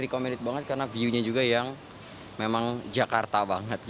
karena view nya juga yang memang jakarta banget